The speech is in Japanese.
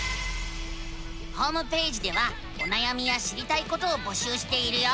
ホームページではおなやみや知りたいことを募集しているよ。